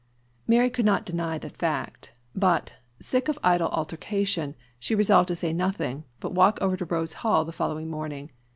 Mary could not deny the fact; but, sick of idle altercation, she resolved to say nothing, but walk over to Rose Hall the following morning.